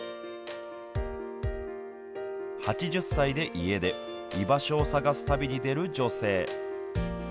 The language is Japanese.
８０歳で家出居場所を探す旅に出る女性。